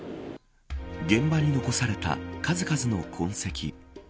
現場に残された数々の痕跡。